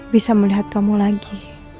bisa melihat kamu lagi